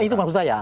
ya itu maksud saya